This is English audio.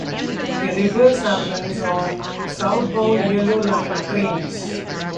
The reverse happens on southbound Yellow Line trains.